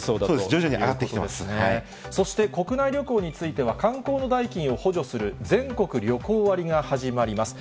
徐々に上がってきそして、国内旅行については、観光の代金を補助する全国旅行割が始まります。